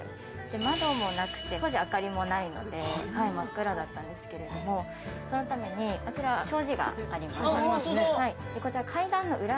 窓もなくて、当時は明かりもないので真っ暗だったんですけども、そのために障子があります。